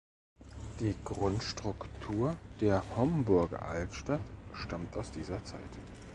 Die Grundstruktur der Homburger Altstadt stammt aus dieser Zeit.